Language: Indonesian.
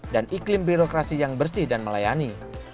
dan iklim birokrasi yang bersih dan melayani